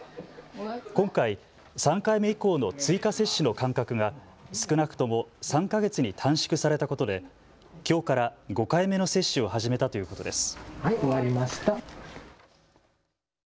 今回、３回目以降の追加接種の間隔が少なくとも３か月に短縮されたことで、きょうから５回目の接種を始めたということです。